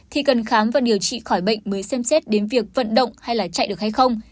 thì cần khám và điều trị khỏi bệnh mới xem xét đến việc vận động hay là chạy được hay không